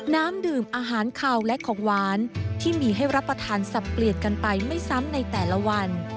น้ำดื่มอาหารขาวและของหวานที่มีให้รับประทานสับเปลี่ยนกันไปไม่ซ้ำในแต่ละวัน